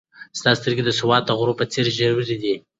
ستا سترګې د سوات د غرو په څېر ژورې دي.